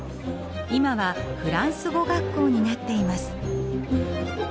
今はフランス語学校になっています。